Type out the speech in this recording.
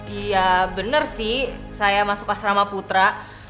iya bener sih saya masuk asrama putra